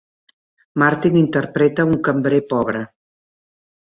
Martin interpreta un cambrer pobre.